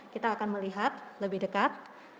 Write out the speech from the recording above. kita akan melihat lebih dekat